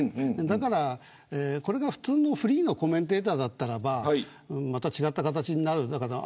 だから、これが普通のフリーのコメンテーターだったらば違った形になるのかな。